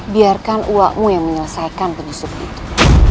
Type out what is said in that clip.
biarkan uakmu yang menyelesaikan penyusup itu